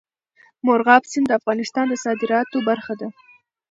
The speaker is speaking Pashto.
مورغاب سیند د افغانستان د صادراتو برخه ده.